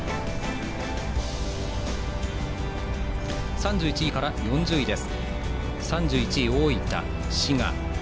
３１位から４０位です。